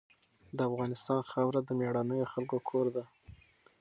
د افغانستان خاوره د مېړنیو خلکو کور دی.